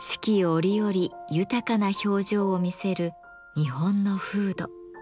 折々豊かな表情を見せる日本の風土。